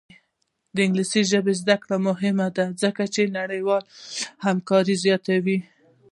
د انګلیسي ژبې زده کړه مهمه ده ځکه چې نړیوالې همکاري زیاتوي.